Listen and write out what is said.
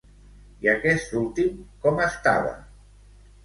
I aquest últim com estava?